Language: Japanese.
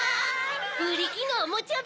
ブリキのおもちゃだ。